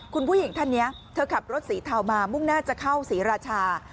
คุณผู้หญิงท่านนี้เธอขับรถสีเทามามุ่งหน้าจะเข้าศรีราชา